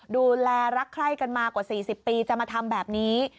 ดูแลรักใคร่กันมากว่า๔๐ปีจะมาทำแบบนี้